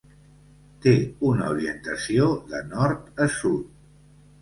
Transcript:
Té una orientació de nord a sud.